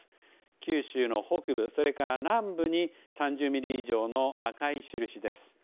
九州の北部、それから南部に３０ミリ以上の赤い印です。